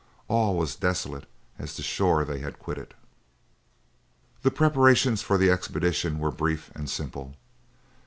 All was desolate as the shore they had quitted. The preparations for the expedition were brief and simple.